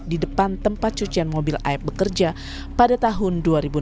di depan tempat cucian mobil aep bekerja pada tahun dua ribu enam belas